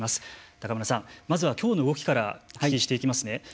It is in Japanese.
中村さん、まずはきょうの動きからお聞きしていきますね。